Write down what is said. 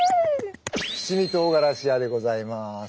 七味とうがらし屋でございます！